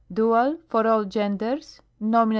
Neuter. For all Gen ders. Noin.